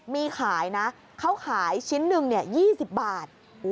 มีขายนะเขาขายชิ้นหนึ่ง๒๐บาท